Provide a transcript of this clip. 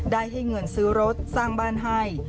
ได้ให้เงินซื้อรถสร้างบ้านให้